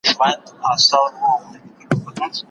هغه باید پخپله اوږه ډېري مڼې یوسي او وړل یې پیل کړي.